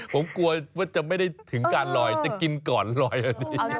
ผมกลัวว่าจะไม่ได้ถึงการลอยจะกินก่อนลอยอันนี้